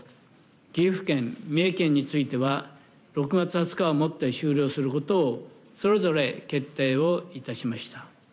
岐阜県、三重県については６月２０日をもって終了することをそれぞれ決定を致しました。